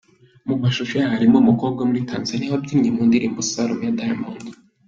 Mu mashusho yayo harimo umukobwa wo muri Tanzania wabyinnye mu ndirimbo Salome ya Diamond.